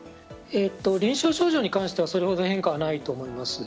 臨床症状に関してはそれほど変化はないと思います。